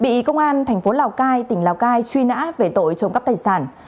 bị công an thành phố lào cai tỉnh lào cai truy nã về tội trộm cắp tài sản